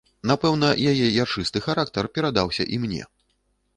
Напэўна, яе яршысты характар перадаўся і мне.